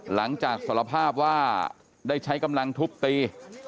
หลังจากสรภาพว่าได้ใช้กำลังทุบตี